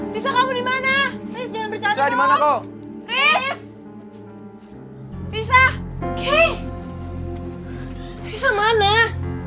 risa sebab apaan ya